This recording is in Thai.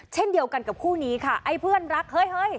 เช่นเดียวกันกับคู่นี้ค่ะไอ้เพื่อนรักเฮ้ยเฮ้ย